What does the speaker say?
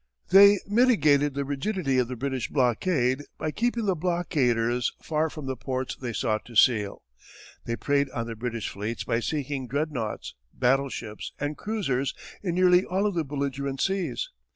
They mitigated the rigidity of the British blockade by keeping the blockaders far from the ports they sought to seal. They preyed on the British fleets by sinking dreadnoughts, battleships, and cruisers in nearly all of the belligerent seas.